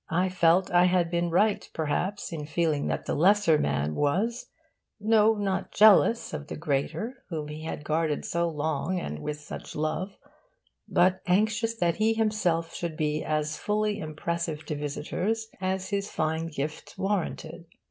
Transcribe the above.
I felt I had been right perhaps in feeling that the lesser man was no, not jealous of the greater whom he had guarded so long and with such love, but anxious that he himself should be as fully impressive to visitors as his fine gifts warranted.